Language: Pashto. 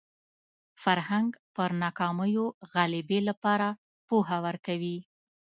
فرهنګ پر ناکامیو غلبې لپاره پوهه ورکوي